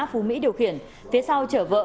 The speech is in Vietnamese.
phú mỹ điều khiển phía sau trở vợ